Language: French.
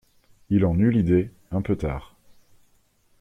Il en eut l'idée, un peu tard.